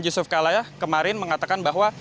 yusuf kala kemarin mengatakan bahwa